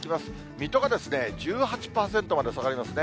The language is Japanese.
水戸が１８％まで下がりますね。